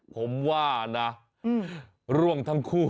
ผมว่านะร่วงทั้งคู่